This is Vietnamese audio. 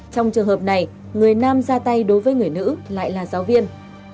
trong trường hợp này người nam ra tay đối với người nữ lại là giáo viên